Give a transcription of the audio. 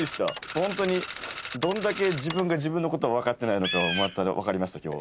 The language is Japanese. ホントにどんだけ自分が自分のことを分かってないのかが分かりました今日。